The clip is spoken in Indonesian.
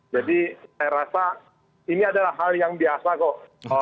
jadi saya rasa ini adalah hal yang biasa kok